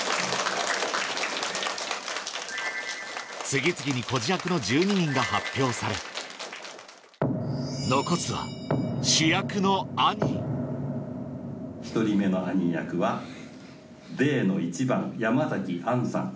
次々に孤児役の１２人が発表され残すは主役の１人目のアニー役はＤの１番山崎杏さん。